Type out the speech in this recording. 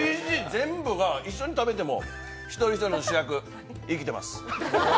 全部が一緒に食べても一人一人の主役、生きてます。